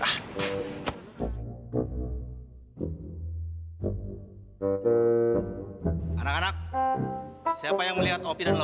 anak anak siapa yang melihat opi dan laura